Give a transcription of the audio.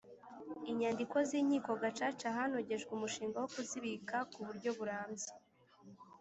inyandiko z Inkiko Gacaca hanogejwe umushinga wo kuzibika ku buryo burambye